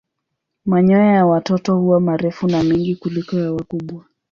Manyoya ya watoto huwa marefu na mengi kuliko ya wakubwa.